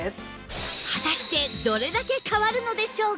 果たしてどれだけ変わるのでしょうか？